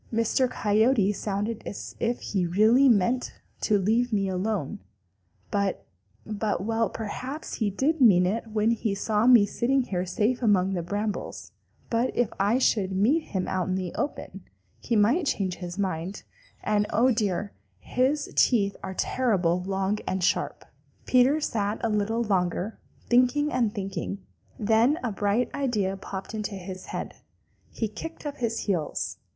Mr. Coyote sounded as if he really meant to leave me alone, but, but well, perhaps he did mean it when he saw me sitting here safe among the brambles, but if I should meet him out in the open, he might change his mind and oh, dear, his teeth are terrible long and sharp!" Peter sat a little longer, thinking and thinking. Then a bright idea popped into his head. He kicked up his heels.